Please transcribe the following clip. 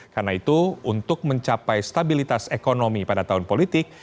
karena itu untuk mencapai stabilitas ekonomi pada tahun politik